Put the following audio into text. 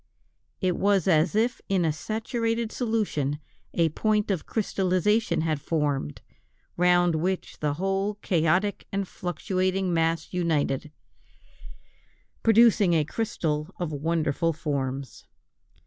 It was as if in a saturated solution, a point of crystallization had formed, round which the whole chaotic and fluctuating mass united, producing a crystal of wonderful forms.